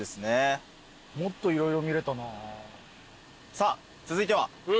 さあ続いては？